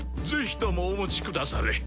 ぜひともお持ちくだされ。